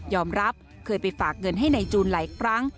รับเคยไปฝากเงินให้นายจูนหลายครั้ง